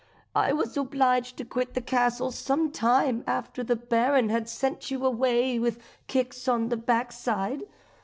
I was obliged to quit the castle some time after the Baron had sent you away with kicks on the backside.